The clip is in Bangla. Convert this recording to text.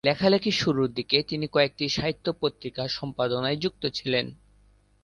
লেখালেখির শুরুর দিকে তিনি কয়েকটি সাহিত্য পত্রিকা সম্পাদনায় যুক্ত ছিলেন।